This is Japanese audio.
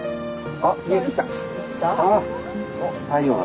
あっ太陽だ。